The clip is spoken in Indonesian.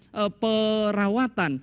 yang ketiga merawatan